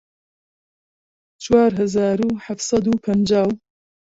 چوار هەزار و حەفت سەد و پەنجاو